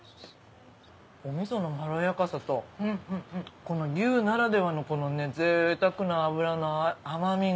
お味噌のまろやかさとこの牛ならではの贅沢な脂の甘みが。